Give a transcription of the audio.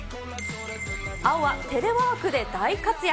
青はテレワークで大活躍。